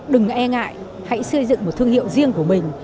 đừng e ngại hãy xây dựng một thương hiệu riêng của mình